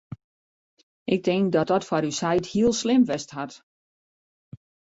Ik tink dat dat foar ús heit heel slim west hat.